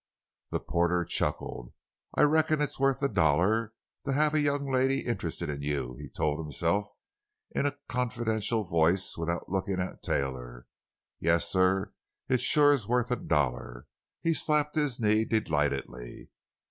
The porter chuckled. "I reckon it's worth a dollar to have a young lady interested in you," he told himself in a confidential voice, without looking at Taylor; "yassir, it's sure worth a dollar." He slapped his knee delightedly.